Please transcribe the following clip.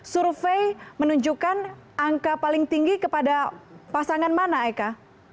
survei menunjukkan angka paling tinggi kepada pasangan mana eka